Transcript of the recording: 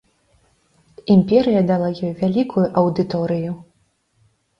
Імперыя дала ёй вялікую аўдыторыю.